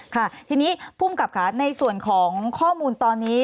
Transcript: ค่ะทีนี้ภูมิกับค่ะในส่วนของข้อมูลตอนนี้